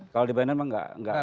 kalau di bnn pak nggak boleh